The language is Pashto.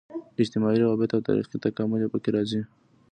اجتماعي روابط او تاریخي تکامل یې په کې راځي.